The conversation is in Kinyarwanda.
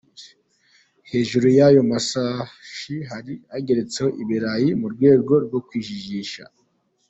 Hejuru y’ayo mashashi hari hageretse ho ibirayi mu rwego rwo kujijisha.